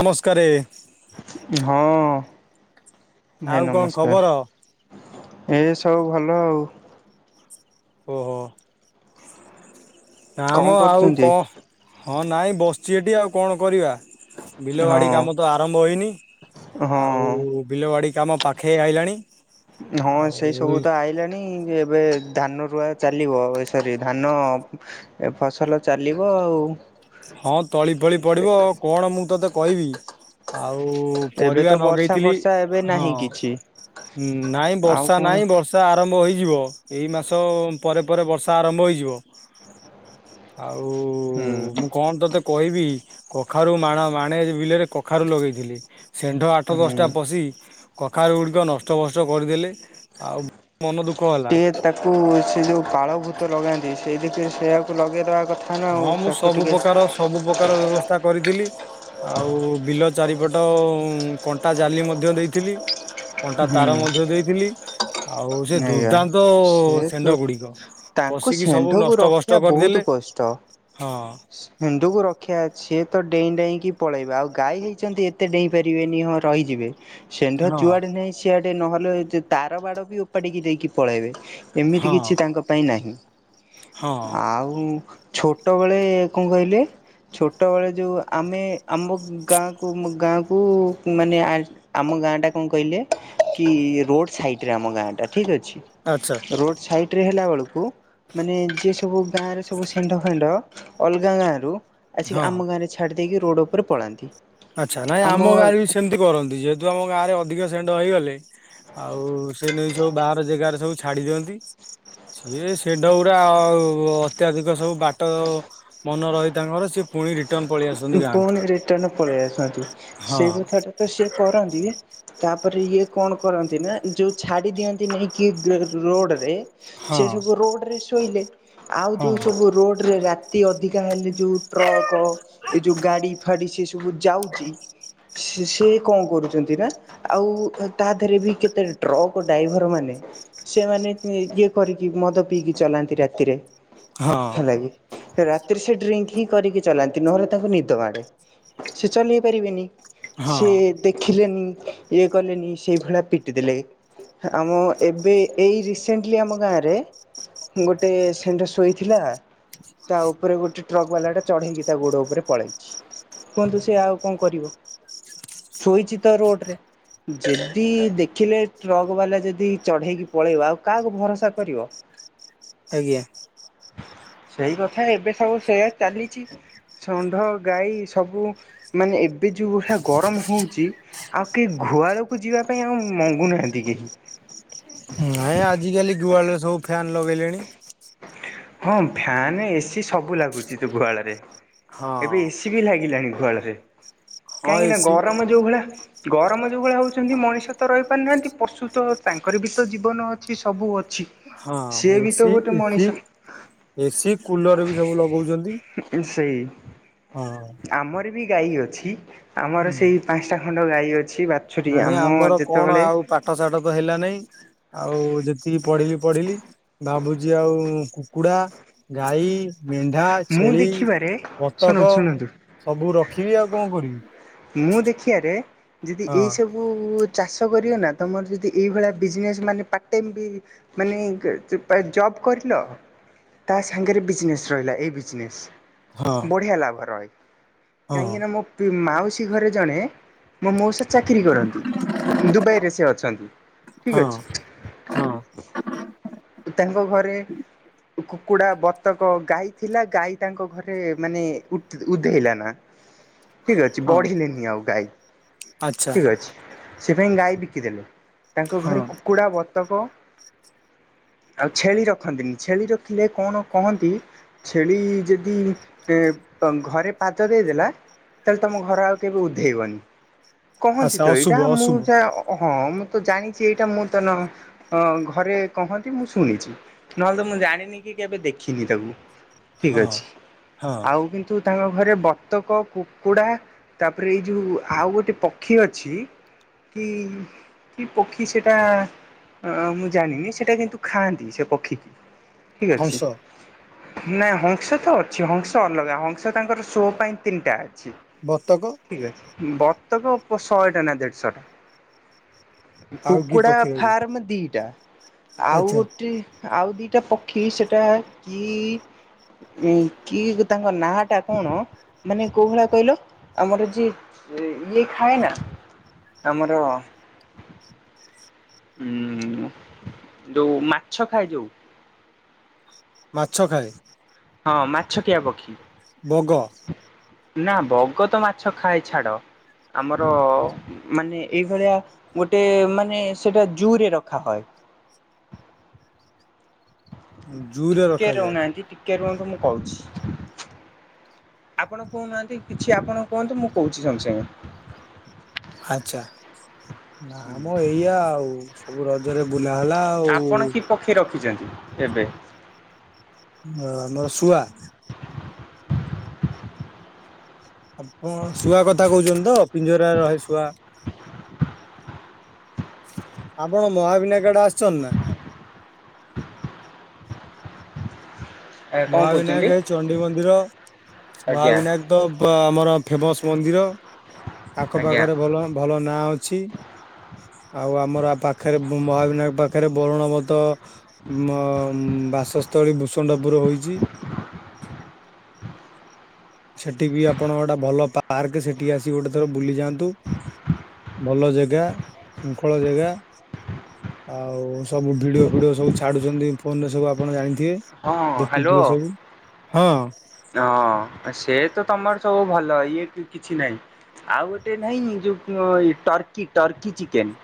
ନମସ୍କାରେ। ହଁ ଭାଇ ଆଉ କଣ ଖବର? ନମସ୍କାର। ଏସବୁ ଭଲ ଆଉ। ଓହୋ କଣ ଆମ ଆଉ କରୁଛନ୍ତି? କଣ। ହଁ ନାଇଁ ବସିଛି ଏଠି ଆଉ କଣ କରିବ ବିଲବାଡି ହଁ କାମ ତ ଆରମ୍ଭ ହେଇନି ହଁ ଆଉ ବିଲ ବାଡି କାମ ପାଖେଇ ଆଇଲାଣି। ହଁ ଆଉ ସେଇ ସବୁ ତ ଆଇଲାଣି ଏବେ। ଧାନ ରୁଆ ଚାଲିବ ଏ ସରି ଧାନ ଏ ଫସଲ ଚାଲିବ ଆଉ। ହଁ ତଳି ଫଳି ପଡିବ ଆଉ କଣ ମୁଁ ତତେ କହିବି ଆଉ। ଆଉ ଏବେ ତ ପରିବା ବର୍ଷା ନଗେଇଥିଲି ଫର୍ଷା ଏବେ ହଁ ନାହିଁ କିଛି ହୁଁ ନାଇଁ ଆଉ ବର୍ଷା କଣ ନାଇଁ ବର୍ଷା ଆରମ୍ଭ ହେଇ ଯିବ ଏଇ ମାସ ପରେ ପରେ ବର୍ଷା ଆରମ୍ଭ ହେଇଯିବ ଆଉ। ହୁଁ। ମୁଁ କଣ ତତେ କହିବି କଖାରୁ ମାଣ ମାଣେ ବିଲେରେ କଖାରୁ ଲଗେଇଥିଲି। ଷେଣ୍ଢ ଆଠ ଦଶଟା ହୁଁ ପଶିକି କଖାରୁ କୁଡ଼ିକ ନଷ୍ଟ ବଷ୍ଟ କରିଦେଲେ ଆଉ ମନ ଦୁଃଖ ହେଲା ଟିକେ ତାକୁ ସେ ଯୋଉ ପାଳ ଭୂତ ଲଗାନ୍ତି ସେଇଥିରେ ସେୟାକୁ ଲଗେଇଦବା କଥା। ନା ଆଉ ହଁ ମୁଁ ତାକୁ ସବୁ ଟିକେ ପ୍ରକାର ସବୁ ପ୍ରକାର ବ୍ୟବସ୍ଥା କରିଥିଲି। ଆଉ ବିଲ ଚାରିପଟ କଣ୍ଟା ଜାଲି ମଧ୍ୟ ଦେଇଥିଲି। କଣ୍ଟା ତାର ମଧ୍ୟ ଦେଇଥିଲି। ଆଉ ସେ ନାଇ ଆଜ୍ଞା ଦୁର୍ଦ୍ଦାନ୍ତ ସେ ଷେଣ୍ଢ ତ ଗୁଡିକ। ତାଙ୍କୁ ପଶିକି ସବୁ ଷେଣ୍ଢକୁ ନଷ୍ଟଭଷ୍ଟ ରଖିବା ବହୁତ୍ କରିଦେଲେ କଷ୍ଟ। ହଁ ଷେଣ୍ଢକୁ ରକ୍ଷା ଅଛି ସେତ ଡେଇଁ ଡେଇଁକି ପଳେଇବେ ଆଉ ଗାଈ ହେଇଛନ୍ତି ଏତେ ଡେଇଁ ପାରିବେନି ହଁ ରହିଯିବେ। ଷେଣ୍ଢ ହଁ ଯୁଆଡେ ନାହିଁ ସିଆଡେ ନହେଲେ ତାର ବାଡ଼ ବି ଉପାଡିକି ଦେଇକି ପଳାଇବେ। ଏମିତି ହଁ କିଛି ତାଙ୍କ ପାଇଁ ନାହିଁ ହଁ ଆଉ। ଛୋଟବେଳେ କଣ କହିଲେ ଛୋଟବେଳେ ଯୋଉ ଆମେ ଆମ ଗାଁକୁ ଗାଁକୁ ମାନେ ଆ ଆମ ଗାଁଟା କଣ କହିଲେ କି ରୋଡ ସାଇଟିରେ ଆମ ଗାଁଟା। ଠିକ୍ ଅଛି ଆଚ୍ଛା ରୋଡ୍ ସାଇଟିରେ ହେଲା ବେଳକୁ ମାନେ ଯିଏ ସବୁ ଗାଁ ରେ ସବୁ ଷେଣ୍ଢ ଫେଣ୍ଡ ଅଲଗା ଗାଁ ରୁ। ଆସିକି ହଁ। ଆମ ଗାଁରେ ଛାଡି ଦେଇକି ରୋଡ୍ ଉପରେ ପଳାନ୍ତି। ଆଚ୍ଛା ନାଇଁ ଆମ ଗାଁରେ ବି ସେମିତି କରନ୍ତି। ଯେହେତୁ ଆମ ଗାଁ ରେ ଅଧିକ ଷେଣ୍ଢ ହେଇଗଲେ ଆଉ ସେ ନେଇକି ସବୁ ବାହାର ଜାଗାରେ ସବୁ ଛାଡି ଦିଅନ୍ତି। ସିଏ ଷେଣ୍ଢ ଗୁଡା ଆଉ ଅତ୍ୟାଧିକ ସବୁ ବାଟ ମାନେ ରହେ ତାଙ୍କର ସି ଫୁଣି ଫୁଣି ରିଟନ ପଳେଇ ଆସନ୍ତି ହଁ ସେଇ କଥା ଟା ତ ସିଏ କରନ୍ତି ତାପରେ ଏଇ କଣ କରନ୍ତି ନା ଯୋଉ ଛାଡ଼ି ଦିଅନ୍ତି ନେଇକି ରୋଡରେ ହଁ ସେ ସବୁ ରୋଡ୍ ରେ ଶୋଇଲେ ଆଉ ଯୋଉ ହଁ ସବୁ ରୋଡରେ ରାତି ଅଧିକା ହେଲେ ଯୋଉ ଟ୍ରକ ଏ ଯୋଉ ଗାଡ଼ି ଫାଡି ସେ ସବୁ ଯାଉଚି ସେ କଣ କରୁଚନ୍ତି ନା ଆଉ ତା ଦେହରେ ବି କେତେ ଟ୍ରକ୍ ଡ୍ରାଇଭର ମାନେ ସେମାନେ ଇଏ କରିକି ମଦ ପିଇକି ଚଲାନ୍ତି ରାତିରେ ହଁ ହେଲା କିି ରାତିରେ ସେ ଡ୍ରିଙ୍କ ହିଁ କରିକି ଚଲାନ୍ତି ନହେଲେ ତାଙ୍କୁ ନିଦ ମାଡ଼େ ସେ ଚଲେଇ ପାରିବେନି ସେ ହଁ ଦେଖିଲେନି ଇଏ କଲେ ନି ସେ ଭଳିଆ ପିଟିିଦେଲେ। ଆମ ଏବେ ଏଇ ରିସେଣ୍ଟଲି ଆମ ଗାଁରେ ଗୋଟେ ଷେଣ୍ଢ ଶୋଇଥିଲା ତା ଉପରେ ଗୋଟେ ଟ୍ରକ୍ ବାଲା ଟା ଚଢେଇକି ତା ଗୋଡ ଉପରେ ପଳେଇଛି କୁହନ୍ତୁ ସେ ଆଉ କଣ କରିବ ଶୋଇଛି ତ ରୋଡରେ। ଯଦି ଦେଖିଲେ ଟ୍ରକ ବାଲା ଯଦି ଚଢେଇକି ପଳେଇବା ଆଉ କାହାକୁ ଭରସା କରିବ। [inaudible] ଆଜ୍ଞା। ସେଇ କଥା ଏବେ ସବୁ ସେଇଆ ଚାଲିଛି। ଷଣ୍ଢ ଗାଈ ସବୁ ମାନେ ଏବେ ଯୋଉ ଭଳିଆ ଗରମ ହୋଉଚି ଆଉ କେହି ଘୁଆଳକୁ ଯିବା ପାଇଁ ଆଉ ମଙ୍ଗୁନାହାଁନ୍ତି କେହି। ନାଇଁ ଆଜିକାଲି ଘୁଆଳେ ସବୁ ଫ୍ୟାନ୍ ଲଗେଇଲେଣି। ହଁ ଫ୍ୟାନେ ଏସିି ସବୁ ଲାଗୁଚି ତ ଘୁଆଳରେ ହଁ ଏବେ ଏସିି ବି ଲାଗିଲାଣି। ହଁ କାହିଁକି ନା ଏସି ଗରମ ଯୋଉ ଭଳିଆ ଗରମ ଯେଉଁ ଭଳିଆ ହେଉଛନ୍ତି, ମଣିଷ ତ ରହିପାରୁନାହାନ୍ତି, ପଶୁ ତ ତାଙ୍କର ବି ତ ଜୀବନ ଅଛି ସବୁ ଅ ଛି ହଁ ସିଏ ବି ତ ଏସି ଗୋଟେ ଏସି ମଣିଷ। ଏସି, କୁଲର ବି ସବୁ ଲଗଉଛନ୍ତି। ସେଇ ହଁ। ଆମର ବି ଗାଈ ଅଛି। ଆମର ସେଇ ପାଞ୍ଚଟା ଖଣ୍ଡ ଗାଈ ଅ ନାଇ, ଆମର କଣ ଆଉ ପାଠ ସାଠ ତ ହେଲା ନାଇଁ ଆଉ ଯେତିକି ପଢିଲି ପଢିଲି ଭାବୁଛି ଆଉ କୁକୁଡ଼ା, ଗାଈ ମେଣ୍ଢା, ମୁଁ ଛେଳି, ଦେଖିବାରେ ଶୁଣନ୍ତୁ ବତକ ଶୁଣନ୍ତୁ ସବୁ ରଖିବି ଆଉ କଣ କରିବି? ମୁଁ ଦେଖିବାରେ ଯଦି ହଁ ଏଇ ସବୁ ଚାଷ କରିବେ ନା ତମ ମୋର ଯଦି ଏଇ ଭଳିଆ ବିଜନେସ୍ ମାନେ ପାର୍ଟ ଟାଇମ୍ ବି ମାନେ ଜବ୍ କରିଲ ତା ସାଙ୍ଗରେ ବିଜନେସ୍ ରହିଲା, ଏଇ ବିଜନେସ୍ ହଁ ବଢ଼ିଆ ଲାଭ ରହେ। ହଁ କାହିଁକି ନା ମୋ ପିଉ ମାଉସୀ ଘରେ ଜଣେ ମୋ ମୋଉସା ଚାକିରୀ କରନ୍ତି, ଦୁବାଇରେ ସେ ଅଛନ୍ତି, ଠିକ୍ ହଁ ଅଛି। ହଁ ତାଙ୍କ ଘରେ କୁକୁଡା, ବତକ, ଗାଈ ଥିଲା ଗାଈ ତାଙ୍କ ଘରେ ମାନେ ଉଠ ଉଧେଇଲା ନା। ଠିକ ଅଛି, ହଁ ବଢିଲେନି ଆଉ ଗାଈ, ଆଚ୍ଛା ଠିକ ଅଛି। ସେପାଇଁ ଗାଈ ବିକିଦେଲେ। ତାଙ୍କ ଘରେ ହଁ କୁକୁଡ଼ା, ବତକ ଆଉ ଛେଳି ରଖନ୍ତିନି ଛେଳି ରଖିଲେ କଣ କହନ୍ତି ଛେଳି ଯଦି ଘରେ ପାଦ ଦେଇଦେଲା ତାହେଲେ ତମ ଘର ଆଉ କେବେ ଉଦ୍ଧେଇବନି, କହନ୍ତି ଆଚ୍ଛା ତ ଏଇଟା ଅଶୁଭ ମୁଁ ଅଶୁଭ ଯାହା ଅ ହଁ, ମୁଁ ତ ଜାଣିଛି ଏଇଟା ମୁଁ ତ ନ ଘରେ କହନ୍ତି ମୁଁ ଶୁଣିଛି ନହେଲେ ତ ମୁଁ ଜାଣିନି କି କେବେ ଦେଖିନି ତାକୁ ଠିକ ହଁ ଅଛି ହଁ ଆଉ କିନ୍ତୁ ତାଙ୍କ ଘରେ ବତକ, କୁକୁଡ଼ା ତାପରେ ଏଇ ଯୋଉ ଆଉ ଗୋଟେ ପକ୍ଷୀ ଅଛି କି କି ପକ୍ଷୀ ସେଟା। ଅ ମୁଁ ଜାଣିନି ସେଟା କିନ୍ତୁ ଖାଆନ୍ତି ସେ ପକ୍ଷୀ କି ଠିକ ହଂସ ଅଛି। ନାଇଁ ହଂସ ତ ଅଛି ହଂସ ଅଲଗା ହଂସ ତାଙ୍କର ଶୋ ପାଇଁ ତିନିଟା। ଛି ବତକ ଠିକ ଅଛି ବତକ ପ ଶହେଟା ନା ଦେଢଶ ଟା। ଆଉ କି କୁକୁଡା ପକ୍ଷୀ ରହିଲେ ଫାର୍ମ ଦିଟା ଆଉ ଆଚ୍ଛା ଗୋଟେ। ଆଉ ଦିଟା ପକ୍ଷୀ ସେଟା କି। ଇଁ କି ତାଙ୍କ ନାଁ ଟା କଣ ମାନେ କୋଉ ଭଳିଆ କହିଲ ଆମର ଯିଏ ଇ ଇଏ ଖାଏ ନା ଆମର। ଉଁ ଯୋଉ ମାଛ ଖାଏ ଯୋଉ। ମାଛ ଖାଏ। ହଁ ମାଛ ଖିଆ ପକ୍ଷୀ। ବଗ। ନା ବଗ ତ ମାଛ ଖାଏ ଛାଡ। ଆମର ମାନେ ଏଇଭଳିଆ ଗୋଟେ ମାନେ ସେଇଟା ଜୁରେ ରଖା ହଏ। ଜୁରେ ଟିକେ ରଖାଯାଏ। ରହୁନାହାନ୍ତି ଟିକେ ରୁହନ୍ତୁ ମୁଁ କହୁଛି। ଆପଣ କହୁନାହାନ୍ତି କିଛି ଆପଣ କୁହନ୍ତୁ ମୁଁ କହୁଛି ସାଙ୍ଗସାଙ୍ଗେ। ଆଚ୍ଛା। ନାମ ଏଇଆ ଆଉ ସବୁ ରଜରେ ବୁଲାହେଲା ଆଉ। ଯାଆନ୍ତୁ ଏବେ। ବ ଆମର ଶୁଆ। ଆପଣ ଶୁଆ କଥା କହୁଛନ୍ତି ତ ପିଞ୍ଜରାରେ ରହେ ଶୁଆ। ଆପଣ ମହାବିନାୟକ ଆଡେ ଆସିଛନ୍ତି ନା? କଣ କହୁଛନ୍ତି ମହାବିନାୟକ ଏ ଚଣ୍ଡି ମନ୍ଦିର ଆଜ୍ଞା ମହାବିନାୟକ ପ ତ ଆମର। ଫେମସ ମନ୍ଦିର ଆଜ୍ଞା ଆଖପାଖରେ ଭଲ ଭଲ ନାଁ ଅଛି। ଆଉ ଆମର ପାଖରେ ମହାବିନାୟକ ପାଖରେ। ବରୁଣବତ ଉଁ ଅମ ବାସସ୍ଥଳୀ ଭୂଷଣ୍ଡ। ବୁର ହୋଇଛି। ସେଠି ବି ଆପଣ ଗୋଟେ ଭଲ ପାର୍କ ସେଠି ଆସିିକି ଗୋଟେ ଥର ବୁଲି ଯାଆନ୍ତୁ। ଭଲ ଜାଗା ଶୃଙ୍ଖଳ ଜାଗା। ଆଉ ସବୁ ଭିଡିଓ ଫିଡିଓ ସବୁ ଛାଡୁଛନ୍ତି ଫୋନ ରେ ସବୁ ଆପଣ ଜାଣି ହଁ ହାଲୋ ହଁ ହଁ ସେ ତ ତମର ସବୁ ଭଲ ଇଏ କି କିଛି ନାହିଁ। ଆଉ ଗୋଟେ ନାଇଁ ଯୋଉ ଅଁ ଏଇ ଟର୍କି ଟର୍କି ଚିକେନ।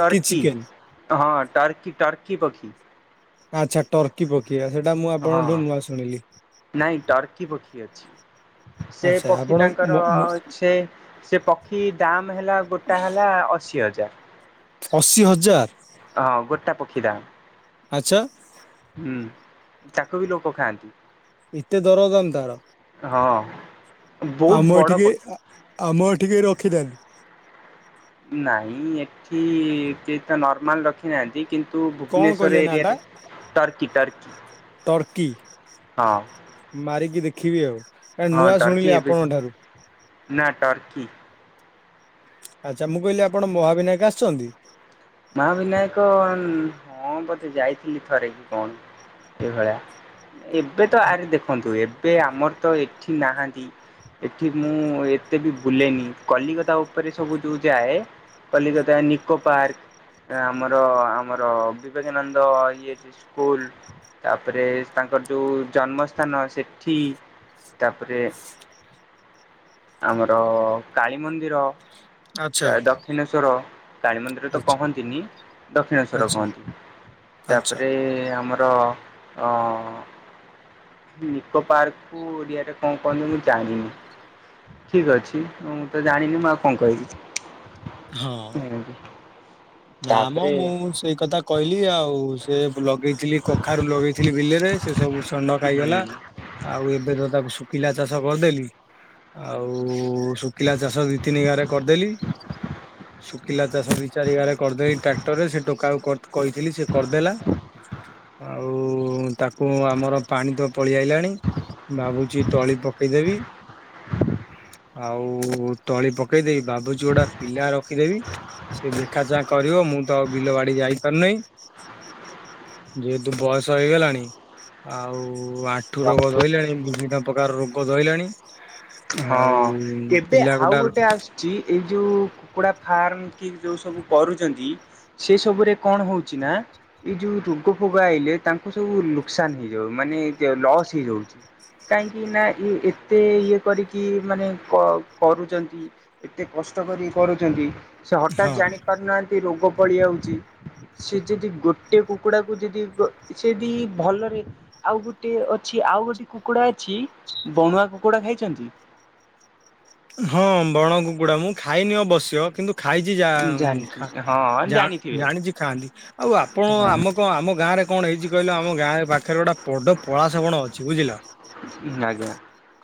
ଟର୍କି ହଁ ଟର୍କି ଟର୍କି ପକ୍ଷି। ଆଚ୍ଛା ଟର୍କି ପ ମୁଁ ହଁ ଆପଣଙ୍କଠୁ ନୂଆ ଶୁଣିଲି। ନାଇଁ ଟର୍କି ପକ୍ଷୀ ଅଛି। ସେ ଆଚ୍ଛା ପକ୍ଷୀ ଆପଣ ମ ତାଙ୍କର ମ ସେ ସେ ପକ୍ଷୀ ଦାମ ହେଲା ଗୋଟା ହେଲା ଅ ଅଶି ହଜାର ଅଶୀ ହଜାର ହଁ ଗୋଟା ପକ୍ଷୀ ଦାମ। ଆଚ୍ଛା। ହୁଁ ତାକୁ ବି ଲୋକ ଖାଆନ୍ତି। ଏତେ ଦର ଦାମ ତାର। ହଁ ବହୁତ ଆମ ବଡ ଏଠି କେହି ପକ୍ଷୀ। ଆ ଆମ ଏଠି କେହି ରଖିନାହାନ୍ତି। ନାଇଁ ଏଠି କେହି ତ ନର୍ମାଲ ରଖି ନାହାନ୍ତି କିନ ତୁ କଣ ଭୁବନେଶ୍ଵର କହିଲେ ନା ଟା ଏରିଆରେ ଟର୍କି ଟର୍କି। ଟର୍କି ହଁ ମାରିକି ଦେଖିବି ଆଉ। ଆ ହଁ ନୂଆ ଟର୍କି ଶୁଣିଲି ଏବେ ଆପଣଙ୍କ ଠାରୁ। ନା ଟର୍କି ଆଚ୍ଛା ମୁଁ କହିଲି ଆପଣ ମହାବିନାୟକ ଆସିଛନ୍ତି? ମହା ବିନାୟକ ନ ହଁ ବୋଧେ ଯାଇଥିଲି ଥରେ କି କଣ ସେଇଭଳିଆ । ଏବେ ତ ଆରେ ଦେଖନ୍ତୁ ଏବେ ଆମର ତ ଏଠି ନାହାନ୍ତି ଏଠି ମୁଁ ଏତେ ବି ବୁଲେନି କଲିକତା ଉପରେ ସବୁ ଯୋଉ ଯାଏ କଲିକତା ନିକୋ ପାର୍କ ଆମର ଆମର ବିବେକାନନ୍ଦ ଇଏ ଅଛି ସ୍କୁଲ ତାପରେ । ତାଙ୍କର ଯୋଉ ଜନ୍ମ ସ୍ଥାନ ସେଠି ତାପରେ । ଆମର କାଳୀ ମନ୍ଦିର । ଆଚ୍ଛା ତା ଦକ୍ଷିଣେଶୋର କାଳିମନ୍ଦି ତ ଆଚ୍ଛା କହନ୍ତିନି ଦକ୍ଷିଣେଶ୍ଵର ଆଚ୍ଛା କହନ୍ତି ଆଚ୍ଛା ତାପରେ ଆମର ଅଁ । ନିକୋ ପାର୍କ କୁ ଓଡିଆ ରେ କଣ କହନ୍ତି ମୁଁ ଜାଣିନି। ଠିକ ଅଛି ମୁଁ ତ ଜାଣିନି ମୁଁ ଆଉ କଣ କହିବି? ହଁ। ନା ମ ତାପରେ ମୁଁ ସେଇ କଥା କହିଲି ଆଉ ସେ ଲଗେଇଥିଲି କଖାରୁ ଲଗେଇଥିଲୀ ବିଲରେ ସେ ସବୁ ଷଣ୍ଢ ଖାଇଗଲା। ହୁଁ ଆଉ ଏବେ ତ ତାକୁ ଶୁଖିଲା ଚାଷ କରିଦେଲି ଆଉ ଶୁଖିଲା ଚାଷ ଦି ତିନି ଗାରେ କରିଦେଲି । ଶୁଖିଲା ଚାଷ ଦି ଚାରି ଗାରେ । କରିଦେଇ ଟ୍ରାକ୍ଟରେ ସେ ଟୋକା କୁ କଟ କହିଥିଲି ସେ କରିଦେଲା। ଆଉ ତାକୁ ଆମର ପାଣି ତ ପଳେଇ ଆଇଲାଣି। ଭାବୁଛି ତଳି ପକେଇଦେବି । ଆଉ ତଳି ପକେଇଦେବି ଭାବୁଛି ଗୋଟା ପିଲା ରଖିଦେବିନ। ସେ ଦେଖା ଚାହା କରିବ ମୁଁ ତ ଆଉ ବିଲ ବାଡି ଯାଇପାରୁ ନେଇ। ଯେହେତୁ ବୟସ ହେଇ ଗଲାଣି ଆଉ ଆଣ୍ଠୁରୋଗ ଧଇଲାଣି ବିଭିନ୍ନ ପ୍ରକାର ରୋଗ ଧଇଲାଣି । ହଁ ଏବେ ଆଉ ଗୋଟେ ଆସୁଛି ଏଇ ଯୋଉ କୁକୁଡ଼ା। । ଫାର୍ମ କି ଯୋଉ ସବୁ କରୁଚନ୍ତି ସେ ସବୁରେ କଣ ହଉଛି ନା । ଏଇ ଯୋଉ ରୋଗ ଫୋଗ ଆଇଲେ ତାଙ୍କୁ ସବୁ ନୁକ୍ସାନ ହେଇଯାଉ ମାନେ ଲସ୍ ହେଇଯାଉଛି । କହିଁ କିି ନା ଇ ଏତେ କରିକି ମାନେ କ କରୁଚନ୍ତି ଏତେ କଷ୍ଟ କରି କରୁଚନ୍ତି। ସେ ହଠାତ୍ ହଁ ଜାଣି ପାରୁନାହାନ୍ତି ରୋଗ ପଳିଆଉଛି। ସେ ଯଦି ଗୋଟେ କୁକୁଡାକୁ ଯଦି ଗ ସେଦି ଭଲରେ ଆଉ ଗୋଟେ ଅଛି । ଆଉ ଗୋଟେ କୁକୁଡା ଅଛି ବଣୁଆ କୁକୁଡା ଖାଇଛନ୍ତି । ହଁ ବଣ କୁକୁଡା ମୁଁ ଖାଇନି ଅବସ୍ୟ କିନ୍ତୁ ଖାଇଚି ଯା ଜାଣିଛି ହଁ ଜା ଜାଣିଥିବେ। ଜାଣିଛି ଖାଆନ୍ତି ଆଉ ଆପଣ ଆମ କ୍ଁ ଆମ ଗାଁରେ। କଣ ହେଇଛି କହିଲ ଆମ ଗାଁ ପାଖରେ ଗୋଟା । ପଡ ପଳାଶ ବଣ ଅଛି ବୁଝିଲ ଆଜ୍ଞା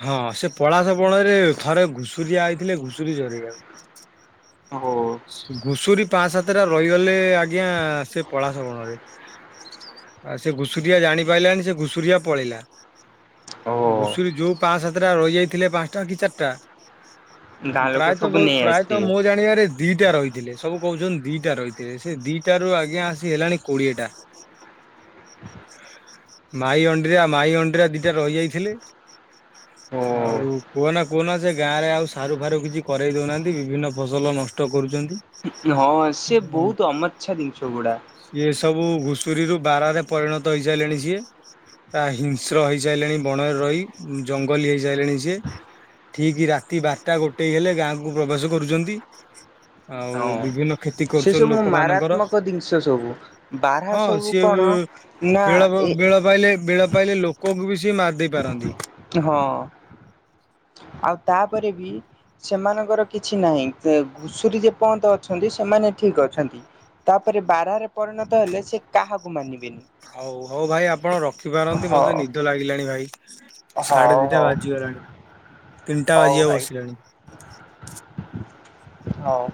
ହଁ ସେ । ପଳାସ ବଣ ରେ ଥରେ ଘୁଷୁରିଆ ଆଇ ଥିଲେ ଘୁଷୁରି ଚରେଇ ଆକୁ ଓ । ଘୁସୁରୀ ପାଁ ସାତ ସାତଟା ରହିଗଲେ ଆଜ୍ଞା ସେ ପଳାଶ ବଣରେ । ଆଉ ସେ ଘୁଷୁରିଆ ଜାଣି ପାରିଲାନି ସେ ଘୁଷୁରିଆ ପଳେଇିଲା । ଓ ଘୁଷୁରୀ ଯୋଉ ପାଆଁ ସାତଟା ରହି ଯାଇଥିଲେ ପାଞ୍ଚଟା କି ଚାରିଟା । ଗାଁ ଲୋକ ପ୍ରାୟତଃ ସବୁ ନେଇ ପ୍ରାୟତଃ ଆସିଥିବେ। ମୋ ଜାଣିବାରେ ଦିଟା ରହିଥିଲେ ସବୁ । କହୁଛନ୍ତି ଦିଟା ରହିିଥିବେ। ସେ ଦିଟା ରୁ ଆଜ୍ଞା ଆସି ହେଲାଣି କୋଡିଏଟା। ମାଇ ଅଣ୍ଡିରା ମାଇ ଅଣ୍ଡିରା ଦିଟା ରହି ଯାଇଥିଲେ ଆଉ କୁହନା କୁହନା ସେ ଗାଁରେ ଆଉ ସାରୁ ଫାରୁ କିଛି କରରେ ଦଉନାହାନ୍ତି। ବିଭିନ୍ନ ଫସଲ ନଷ୍ଟ କରୁଛନ୍ତି। ହଁ ସେ ବହୁତ ଅମାଛା ଜିନିଷ ଗୁଡା। ସିଏ ସବୁ ଘୁଷୁରୀରୁୁ ବାରାହ୍ ରେ ପରିଣତ ହେଇସାରିଲଣି ସିଏ। ହିଂସ୍ର ହେଇସାଇଲେଣି ବଣରେ ରହି ଜଙ୍ଗଲ ହେଇସାଇଲେଣି ସିଏ। ଠିକ ରାତି ବାରଟା ଗୋଟେ ହେଲେ ଗାଁକୁ ପ୍ରବେଶ କରୁଛନ୍ତି। ଆଉ ହଁ। ବିଭିନ୍ନ କ୍ଷତି ସେ କରୁଛନ୍ତି ସବୁ ଲୋକମାନଙ୍କର। ମାରାତ୍ମକ ଜିନିଷ ସବୁ ବାରହା ହଁ ସବୁ ସିଏ କଣ ନା ବେଳ ଏ ବେଳ ପାଇଲେ ବେଳ ପାଇଲେ ଲୋକଙ୍କୁ ବି ସିଏ ମାରି ଦେଇ ପାରନ୍ତି। ହଁ। ଆଉ ତାପରେ ବି ସେମାନଙ୍କର କିଛି ନାହିଁ ଘୁଷୁରୀ ଯେ ପର୍ଯ୍ୟନ୍ତ ଅଛନ୍ତି ସେମାନେ ଠିକ ଅଛନ୍ତି ତାପରେ ବାରାହ୍ ରେ ପରିଣତ ହେଲେ ସେ କାହାକୁ ମାନିବେନି। ହଉ ହଉ ଭାଇ ଆପଣ ରଖିପାରନ୍ତ, ହଉ ମତେ ନିଦ ଲାଗିଲାଣି ଭାଇ। ସାଢେ ହଉ ଦିଟା ହଉ ବାଜିଗଲାଣି ତିନିଟା ହଉ ବାଜିବା ଭାଇ ବସିଲାଣି। ହଉ।